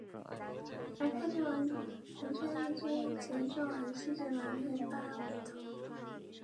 而泰郡王弘春一支则住在西直门内扒儿胡同。